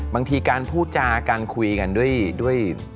บางทีการพูดจาการคุยกันด้วย